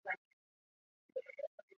每个随机变量被其方差的倒数加权。